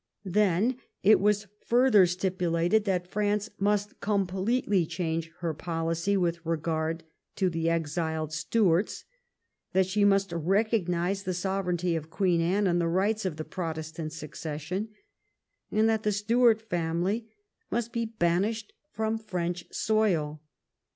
Then it was further stipulated that France must completely change her policy with regard to the exiled Stuarts, that she must recognize the sovereignty of Queen Anne and the rights of the Protestant succession, and that the Stuart family must be banished from French soil.